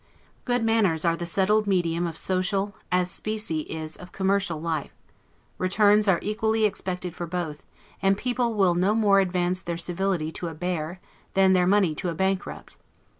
Good manners are the settled medium of social, as specie is of commercial life; returns are equally expected for both; and people will no more advance their civility to a bear, than their money to a bankrupt.